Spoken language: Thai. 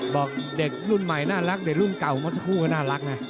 บอกเด็กรุ่นใหม่น่ารักเด็กรุ่นเก่าเมื่อสักครู่ก็น่ารักนะ